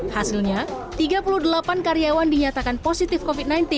hasilnya tiga puluh delapan karyawan dinyatakan positif covid sembilan belas